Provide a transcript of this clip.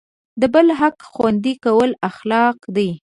د بل حق خوندي کول اخلاق دی.